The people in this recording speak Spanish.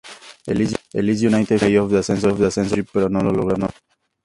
El Leeds United jugó el play-off de ascenso a Championship pero no lo logró.